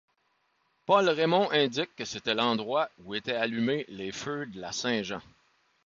Paul Raymond indique que c’était l’endroit où était allumé les feux de la Saint-Jean.